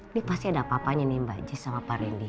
ini pasti ada apa apanya nih mbak jis sama pak randy